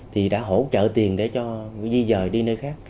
thì đã hỗ trợ tiền để cho di dời đi nơi khác